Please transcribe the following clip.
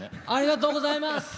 ありがとうございます！